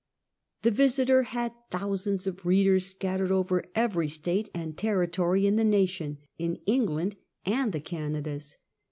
The Visiter had thousands of readers scattered over every State and Territory in the nation, in England and the Canadas.